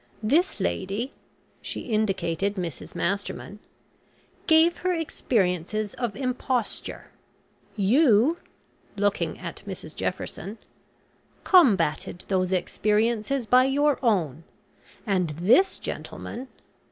This lady," she indicated Mrs Masterman, "gave her experiences of imposture; you," looking at Mrs Jefferson, "combated those experiences by your own, and this gentleman."